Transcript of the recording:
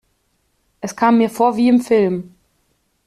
Es kam mir vor wie im Film.